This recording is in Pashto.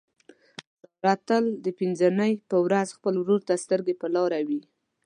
ساره تل د پینځه نۍ په ورخ خپل ورور ته سترګې په لاره وي.